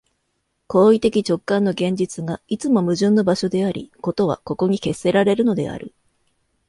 行為的直観の現実が、いつも矛盾の場所であり、事はここに決せられるのである。